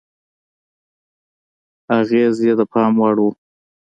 اغېز یې د پام وړ و.